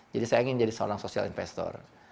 jadi saya ingin jadi seorang social investor